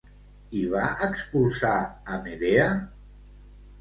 I va expulsar a Medea?